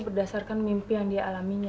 berdasarkan mimpi yang dia alaminya